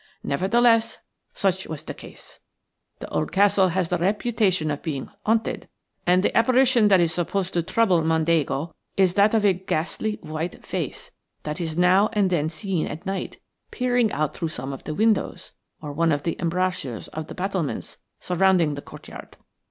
Nevertheless, such was the case. The old castle has the reputation of being haunted, and the apparition that is supposed to trouble Mondego is that of a ghastly white face that is now and then seen at night peering out through some of the windows or one of the embrasures of the battlements surrounding the courtyard.